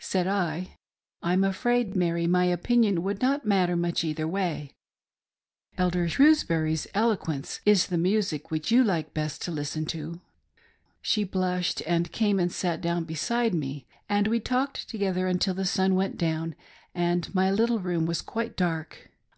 Said I —' I'm afraid, Mary, my opinion would not matter much either way ; Elder Shrewsbury's eloquence is the music which you like best to listen to." She blushed, and came and sat down beside me, and we talked together until the sun went down and my little room was quite dark.